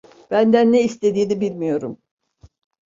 Benden ne istediğini bilmiyorum.